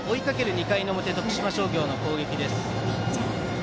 ２回表、徳島商業の攻撃。